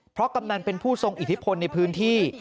เพราะกำนันเป็นผู้ทรงอิทธิพลในพื้นที่